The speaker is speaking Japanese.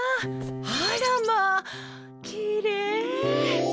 あらまあ、きれい！